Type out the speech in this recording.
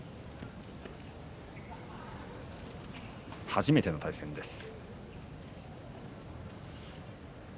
初めての対戦です。